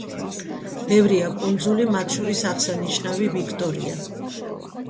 ბევრია კუნძული, მათ შორის აღსანიშნავი ვიქტორია.